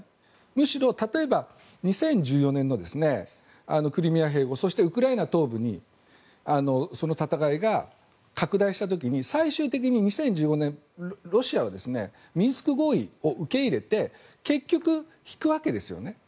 むしろ例えば２０１４年のクリミア併合そしてウクライナ東部にその戦いが拡大した時に最終的に２０１５年、ロシアはミンスク合意を受け入れて結局、引くわけですよね。